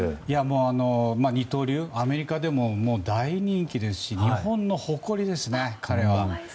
二刀流、アメリカでも大人気ですし日本の誇りですね、彼は。